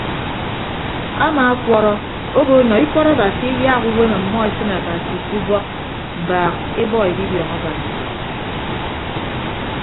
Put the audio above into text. Amaakwọọrọ obo nọ ikọt abasi eyaak uwem ọmmọ esịn abasi ke ubọk mbaak ebọ edidiọñ abasi.